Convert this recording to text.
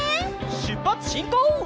しゅっぱつしんこう！